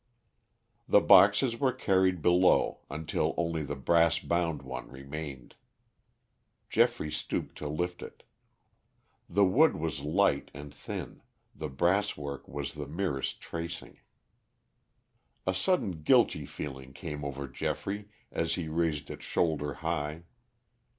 The boxes were carried below until only the brass bound one remained. Geoffrey stooped to lift it. The wood was light and thin, the brass work was the merest tracing. A sudden guilty feeling came over Geoffrey as he raised it shoulder high.